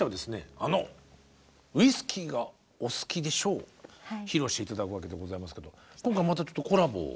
あの「ウィスキーが、お好きでしょ」を披露して頂くわけでございますけど今回またちょっとコラボを。